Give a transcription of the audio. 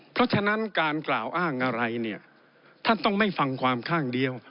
เพราะฉะนั้นการกล่าวอ้างอะไรเนี่ยท่านต้องไม่ฟังความข้างเดียว